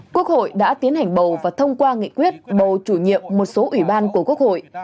quốc hội đã tiến hành bầu và thông qua nghị quyết bầu chủ nhiệm một số ủy ban của quốc hội